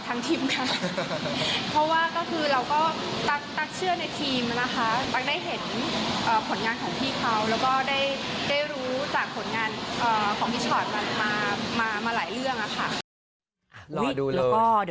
ทำให้เราได้กลับมาดูแลตัวเองอีกรอบหนึ่งด้วย